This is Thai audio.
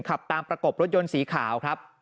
ขับตามประกบรถยนต์สีขาวครับ